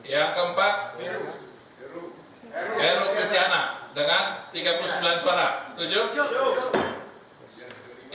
yang keempat heru kristiana dengan tiga puluh sembilan suara setuju